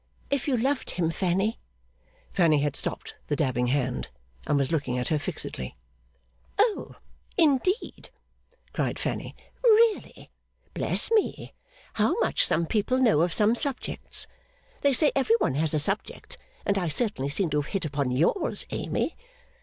If you loved him, Fanny ' Fanny had stopped the dabbing hand, and was looking at her fixedly. 'O, indeed!' cried Fanny. 'Really? Bless me, how much some people know of some subjects! They say every one has a subject, and I certainly seem to have hit upon yours, Amy.